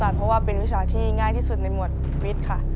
เพราะว่าเป็นวิชาที่ง่ายที่สุดในมุมฤตค่ะ